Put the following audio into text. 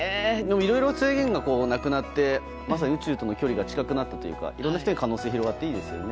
いろいろ制限がなくなってまさに宇宙との距離が近くなったというかいろんな人に可能性が広がっていいですよね。